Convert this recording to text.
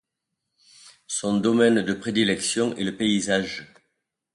Son domaine de prédilection est le paysage.